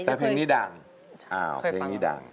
แต่เพลงนี้ดัง